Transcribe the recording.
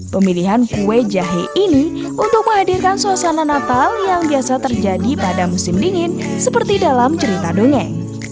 pemilihan kue jahe ini untuk menghadirkan suasana natal yang biasa terjadi pada musim dingin seperti dalam cerita dongeng